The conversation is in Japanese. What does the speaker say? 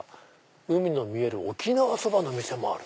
海の見える沖縄そばの店もある。